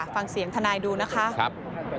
ฟังเสียงท่านายดูนะครับ